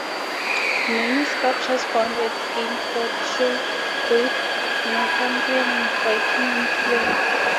Many sculptures found at Gainford show both Northumbrian and Viking influence.